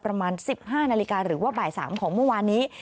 ประมาณ๑๕นาฬิกาหรือว่าบ่าย๓ของเมื่อวานนี้